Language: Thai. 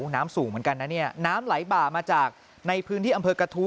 น้ำสูงเหมือนกันนะเนี่ยน้ำไหลบ่ามาจากในพื้นที่อำเภอกระทู้